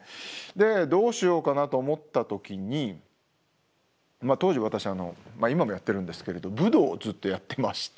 でどうしようかなと思った時に当時私今もやってるんですけれど武道をずっとやってまして。